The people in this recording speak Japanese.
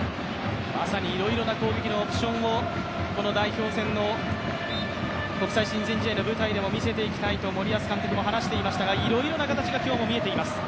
まさにいろいろな攻撃のオプションを代表戦の国際親善試合の舞台でも見せていきたいと、森保監督も話していましたがいろいろな形が今日、見えています。